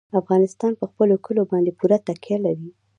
افغانستان په خپلو کلیو باندې پوره تکیه لري.